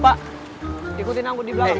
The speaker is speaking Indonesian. pak ikutin aku di belakang ya